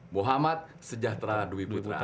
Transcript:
muhammad sejahtera dwi putra